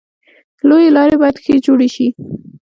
لویې لارې باید ښه جوړې شي.